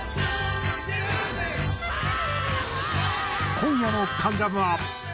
今夜の『関ジャム』は。